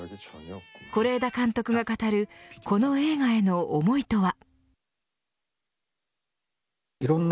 是枝監督が語るこの映画への思いとは。